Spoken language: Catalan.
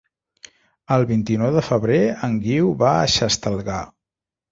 El vint-i-nou de febrer en Guiu va a Xestalgar.